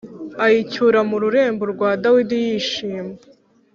ayicyura mu rurembo rwa Dawidi yishīma.